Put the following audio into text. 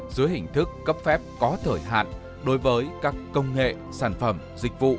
dưới hình thức cấp phép có thời hạn đối với các công nghệ sản phẩm dịch vụ